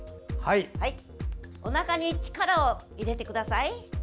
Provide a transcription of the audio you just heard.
おなかに力を入れてください。